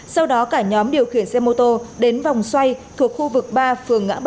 sau đó cả nhóm điều khiển xe mô tô đến vòng xoay thuộc khu vực ba phường ngã bảy